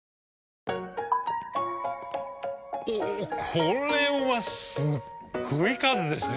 これはすっごい数ですね